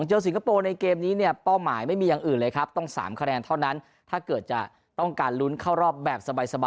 ของเจอสิงคโปร์ในเกมนี้เนี่ยเป้าหมายไม่มีอย่างอื่นเลยครับ